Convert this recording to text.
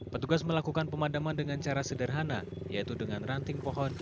petugas melakukan pemadaman dengan cara sederhana yaitu dengan ranting pohon